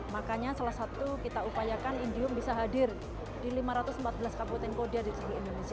makanya salah satu kita upayakan indium bisa hadir di lima ratus empat belas kabupaten koda di seluruh indonesia